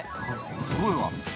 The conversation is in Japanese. ◆すごいわ。